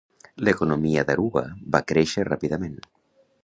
L'economia d'Aruba va créixer ràpidament.